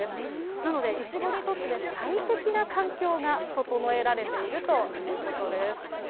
なので、いちごにとって最適な環境が整えられているということです。